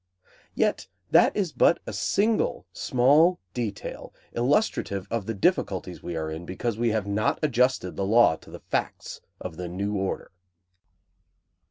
Yet that is but a single small detail illustrative of the difficulties we are in because we have not adjusted the law to the facts of the new order.